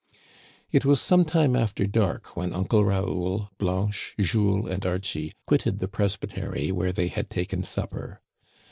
12 J It was some time after dark when Uncle Raoul, Blanche, Jules, and Archie quitted the presbytery where they had taken supper.